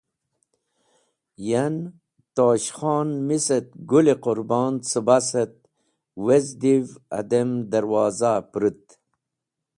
Yan, Tosh Khon mis et Gũl-e Qũrbon cẽbas et wezdi’v adem darwoza pũrũt.